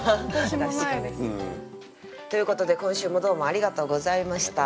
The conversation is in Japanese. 私もないです。ということで今週もどうもありがとうございました。